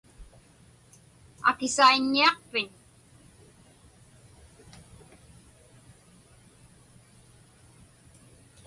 Akisaiññiaqpiñ?